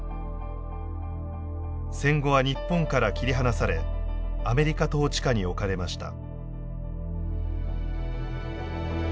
戦後は日本から切り離されアメリカ統治下に置かれました。